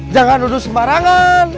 jangan duduk sembarangan